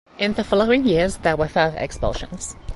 In the following years there were further expulsions.